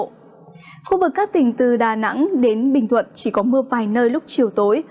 khu vực các tỉnh từ đà nẵng đến bình thuận chỉ có mưa vài nơi lúc chiều tối